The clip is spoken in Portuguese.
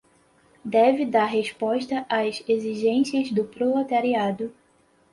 deve dar resposta às exigências do proletariado